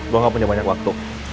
gue gak punya banyak waktu